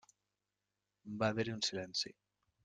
Va haver-hi un silenci.